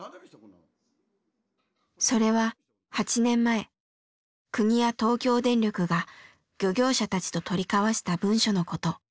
それは８年前国や東京電力が漁業者たちと取り交わした文書のこと。